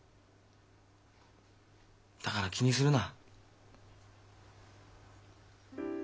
だから気にするな。